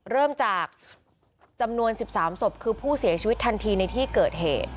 เริ่มจากจำนวน๑๓ศพคือผู้เสียชีวิตทันทีในที่เกิดเหตุ